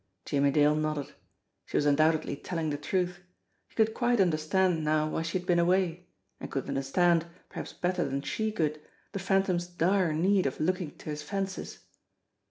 Jimmie Dale nodded. She was undoubtedly telling the truth. He could quite under stand now why she had been away and could understand, perhaps better than she could, the Phantom's dire need of looking to his fences.